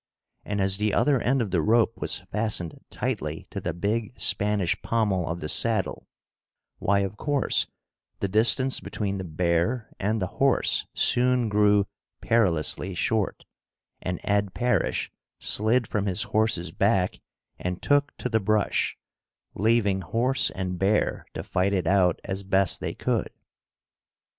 And as the other end of the rope was fastened tightly to the big Spanish pommel of the saddle, why of course the distance between the bear and the horse soon grew perilously short, and Ed Parish slid from his horse's back and took to the brush, leaving horse and bear to fight it out as best they could.